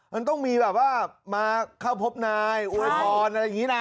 มันต้องมีแบบว่ามาเข้าพบนายอวยพรอะไรอย่างนี้นะ